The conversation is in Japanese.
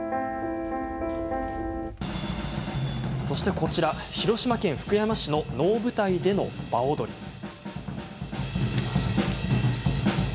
そして、こちら広島県福山市の能舞台での場踊り。